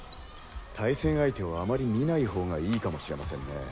対戦相手をあまり見ない方がいいかもしれませんね。